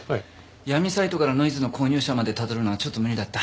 闇サイトからノイズの購入者までたどるのはちょっと無理だった。